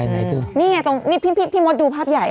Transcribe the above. นี่ไงตรงนี้พี่มดดูภาพใหญ่